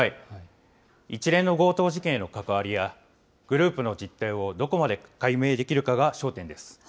一連の強盗事件への関わりや、グループの実態をどこまで解明できるかが焦点です。